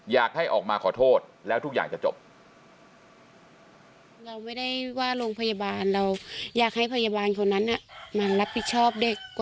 อยากให้ออกมาขอโทษแล้วทุกอย่างจะจบ